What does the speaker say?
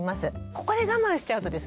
ここで我慢しちゃうとですね